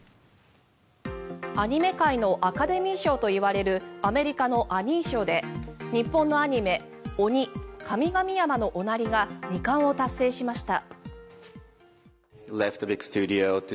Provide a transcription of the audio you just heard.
アニメ界のアカデミー賞といわれるアメリカのアニー賞で日本のアニメ「ＯＮＩ神々山のおなり」が２冠を達成しました。